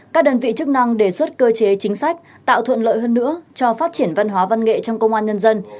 các đơn vị chức năng đề xuất cơ chế chính sách tạo thuận lợi hơn nữa cho phát triển văn hóa văn nghệ trong công an nhân dân